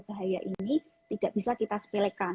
bahaya ini tidak bisa kita sepelekan